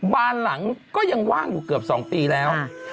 บ้านหลังก็ยังว่างอยู่เกือบ๒ปีแล้ว